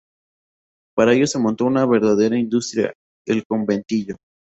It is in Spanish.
Para ellos se montó una verdadera industria: el conventillo.